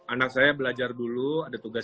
anak saya belajar dulu ada tugas